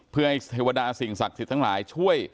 เพื่อให้เทวดาสิ่งศักดิ์สิทธิ์ทั้งหลายช่วย